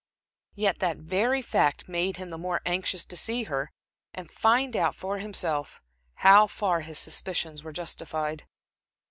Yet that very fact made him the more anxious to see her, and find out for himself how far his suspicions were justified.